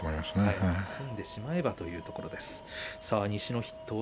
組んでしまえばというところですね。